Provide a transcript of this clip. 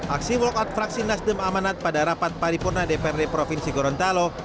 aksi walkout fraksinas demamanat pada rapat paripurna dprd provinsi gorontalo